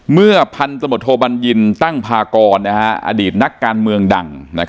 เมื่อพันธมตโทบัญญินตั้งพากรอดีตนักการเมืองดัง